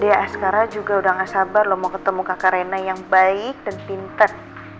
di askara juga udah nggak sabar lo mau ketemu kakak reina yang baik dan pintar